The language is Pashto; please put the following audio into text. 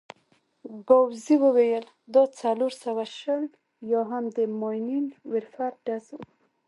ګاووزي وویل: دا څلور سوه شل یا هم د ماينين ورفر ډز وو.